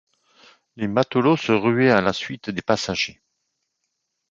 Les matelots se ruaient à la suite des passagers.